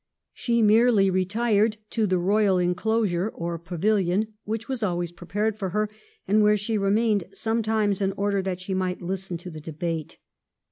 She merely retired to the royal enclosure or pavihon which was always prepared for her, and where she remained sometimes in order that she might listen to the debate.